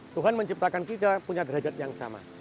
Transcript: tuhan menciptakan kita punya derajat yang sama